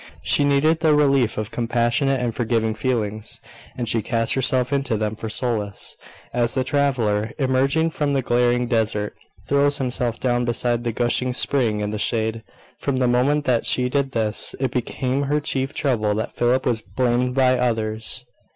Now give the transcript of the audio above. She needed the relief of compassionate and forgiving feelings; and she cast herself into them for solace, as the traveller, emerging from the glaring desert, throws himself down beside the gushing spring in the shade. From the moment that she did this, it became her chief trouble that Philip was blamed by others.